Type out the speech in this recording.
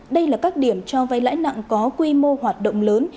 đây là các điểm cho vay lãi nặng có quy mô hoạt động lớn